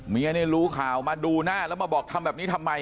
เนี่ยรู้ข่าวมาดูหน้าแล้วมาบอกทำแบบนี้ทำไม